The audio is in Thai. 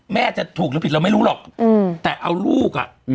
แม่จะถูกหรือผิดเราไม่รู้หรอกแต่เอาลูกอ่ะ